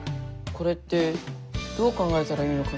これってどう考えたらいいのかな？